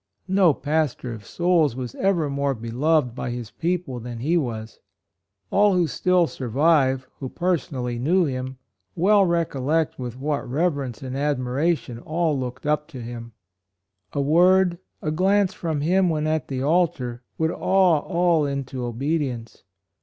~No pastor of souls was ever more be loved by his people than he was. All who still survive, who perso nally knew him, well recollect with what reverence and admiration all looked up to him. A word, a HIS TRIALS. 129 glance from him when at the altar, would awe all into obedience.